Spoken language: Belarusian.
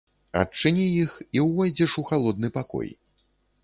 Адчыні іх і ўвойдзеш у халодны пакой.